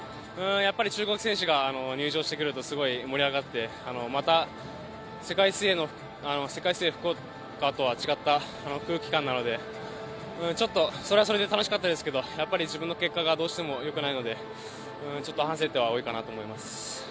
やっぱり中国選手が入場してくると、すごい盛り上がってまた世界水泳福岡とは違った空気感なのでちょっとそれはそれで楽しかったですけど、自分の結果がどうしてもよくないのでちょっと反省点は多いかなと思います。